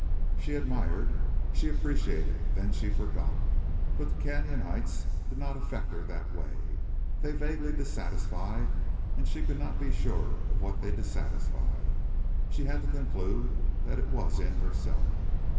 She admired, she appreciated—then she forgot. But the canyon heights did not affect her that way. They vaguely dissatisfied, and as she could not be sure of what they dissatisfied, she had to conclude that it was in herself.